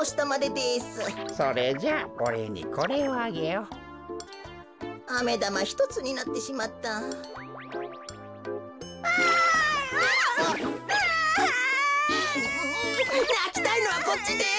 うなきたいのはこっちです。